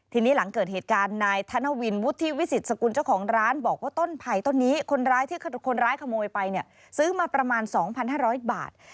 ทีนี้หลังเกิดเหตุการณ์นายธนวินวุฒิวิสิตสกุลเจ้าของร้านบอกว่าต้นไผ่ต้นนี้คนร้ายที่คนร้ายขโมยไปเนี่ยซื้อมาประมาณ๒๕๐๐บาท